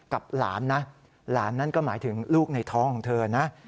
กับหลานนะหลานนั้นก็หมายถึงลูกในท้องของเธอนะ